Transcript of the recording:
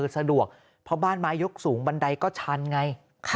สะดวกเพราะบ้านไม้ยกสูงบันไดก็ชันไง